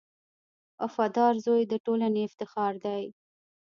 • وفادار زوی د ټولنې افتخار دی.